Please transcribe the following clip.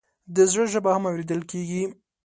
د زړه ژبه هم اورېدل کېږي.